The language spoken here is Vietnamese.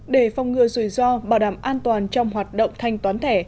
để phòng ngừa rủi ro bảo đảm an toàn trong hoạt động thanh toán thẻ